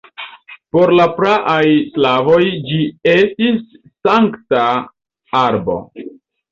Por la praaj slavoj ĝi estis sankta arbo.